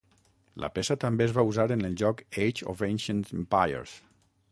La peça també es va usar en el joc Age of Ancient Empires.